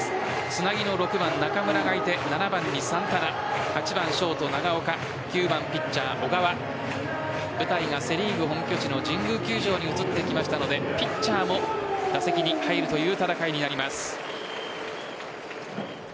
つなぎの６番・中村がいて７番にサンタナ８番ショート・長岡９番ピッチャー・小川舞台がセ・リーグ本拠地の神宮球場に移ってきましたのでピッチャーも打席に入るという戦いになります。